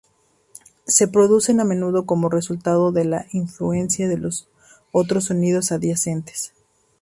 Se producen a menudo como resultado de la influencia de otros sonidos adyacentes.